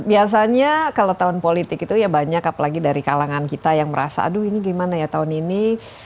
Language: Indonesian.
biasanya kalau tahun politik itu ya banyak apalagi dari kalangan kita yang merasa aduh ini gimana ya tahun ini